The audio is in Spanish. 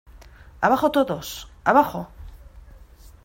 ¡ abajo todos! ¡ abajo !